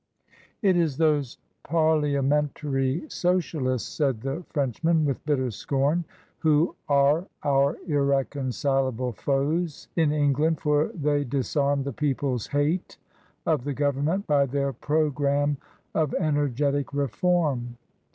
" It is those parliamentary Socialists," said the French man, with bitter scorn, " who are our irreconcilable foes in England, for they disarm the people's hate of the Government by their programme of energetic reform."